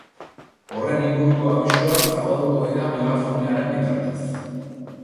Horren inguruko abisuak zabalduko dira megafoniaren bitartez.